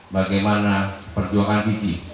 bagaimana perjuangan ini sudah mengembalikanxico